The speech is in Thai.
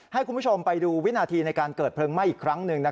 ให้คุณผู้ชมไปดูวินาทีในการเกิดเพลิงไหม้อีกครั้งหนึ่ง